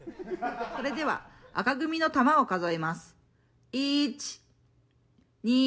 「それでは赤組の玉を数えます。